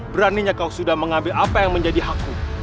beraninya kau sudah mengambil apa yang menjadi hakku